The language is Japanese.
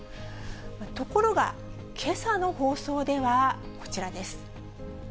ところが、けさの放送では、こちらです。